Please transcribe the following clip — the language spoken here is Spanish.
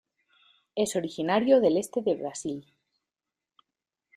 Es originario del este de Brasil.